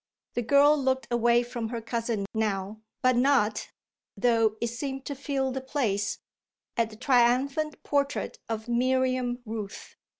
The girl looked away from her cousin now, but not, though it seemed to fill the place, at the triumphant portrait of Miriam Rooth.